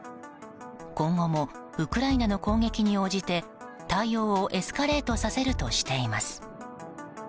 今後もウクライナの攻撃に応じて対応をエスカレートさせるとしています。